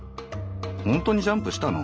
ホントにジャンプしたの？